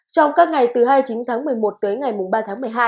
trong các ngày từ hai mươi chín tháng một mươi một tới ngày ba tháng một mươi hai